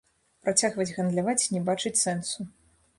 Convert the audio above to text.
Працягваць гандляваць не бачыць сэнсу.